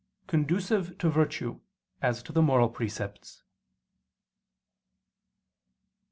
conducive to virtue, as to the moral precepts.